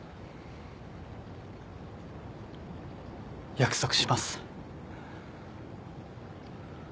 約束します。